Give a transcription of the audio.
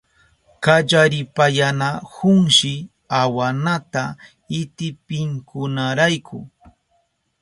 Kallaripayanahunshi awanata itipinkunarayku.